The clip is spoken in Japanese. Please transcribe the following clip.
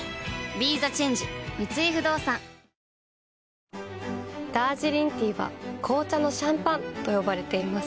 ＢＥＴＨＥＣＨＡＮＧＥ三井不動産ダージリンティーは紅茶のシャンパンと呼ばれています。